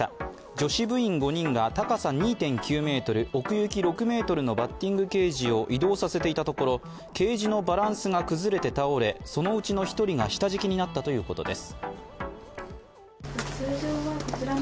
女子部員５人が高さ２．９ｍ、奥行き６ｍのバッティングケージを移動させていたところケージのバランスが崩れて倒れ、そのうちの１人が下敷きになったということです。